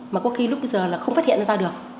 mà có khi lúc bây giờ là không phát hiện ra được